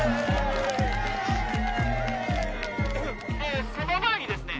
「えーその前にですね